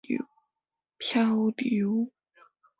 漂流